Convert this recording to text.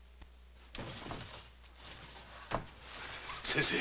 先生！